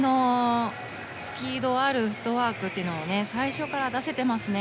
スピードあるフットワークを最初から出せてますね。